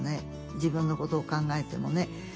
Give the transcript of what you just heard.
自分のことを考えてもね。